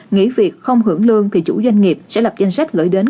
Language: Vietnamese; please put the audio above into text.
nghỉ việc không hưởng lương thì chủ doanh nghiệp sẽ lập danh sách gửi đến